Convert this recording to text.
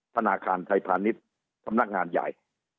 ธนาคารไทยพาณิชย์สำนักงานใหญ่